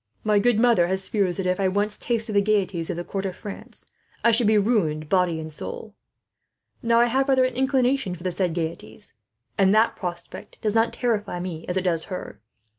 My good mother has fears that, if I once tasted the gaieties of the court of France, I should be ruined, body and soul. "Now I have rather an inclination for the said gaieties, and that prospect does not terrify me as it does her.